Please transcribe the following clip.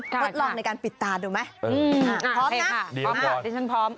ลดลองในการปิดตาดูไหมพร้อมนะดิฉันพร้อม